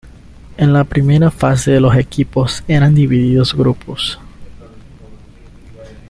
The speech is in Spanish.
En la primera fase los equipos eran divididos grupos.